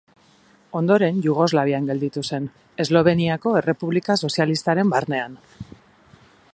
Ondoren Jugoslavian gelditu zen, Esloveniako Errepublika Sozialistaren barnean.